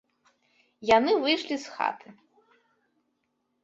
Яны выйшлі з хаты.